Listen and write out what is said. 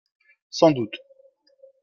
Sans doute.